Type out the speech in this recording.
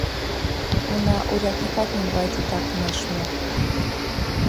Уна, урядникат нимогай титакым ыш му.